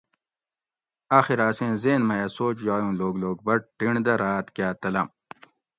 آخیرہ اسیں ذھن مئ اۤ سوچ یائ اوں لوک لوک بٹ ٹینڈ دہ راۤت کا تلم